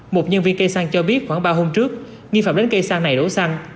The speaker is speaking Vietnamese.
một nhân viên cây xăng cho biết khoảng ba hôm trước nghi phạm đến cây xăng này đổ xăng